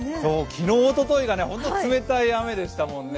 昨日、おとといが本当に冷たい雨でしたもんね。